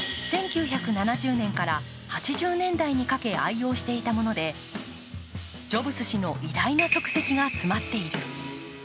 １９７０年から８０年代にかけ愛用していたものでジョブズ氏の偉大な足跡が詰まっている。